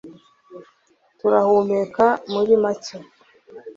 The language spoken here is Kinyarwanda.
Turahumeka muri make